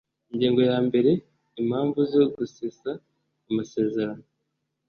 Ingingo ya mbere Impamvu zo gusesa amasezerano